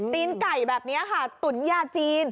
ตีนไก่แบบนี้ค่ะตุ๋นยาจีน